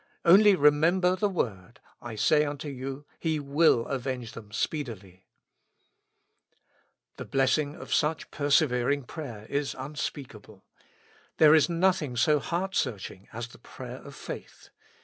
Only remember the word: "I say unto you, He will avenge them speedily." The blessing of such persevering prayer is un 128 With Christ in the School of Prayer. speakable. There is nothing so heart searching as the prayer of faith.